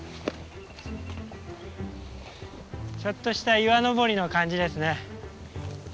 ちょっとした岩登りの感じですね。